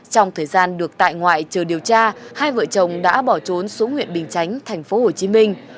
trong thời gian được tại ngoại chờ điều tra hai vợ chồng đã bỏ trốn xuống huyện bình chánh thành phố hồ chí minh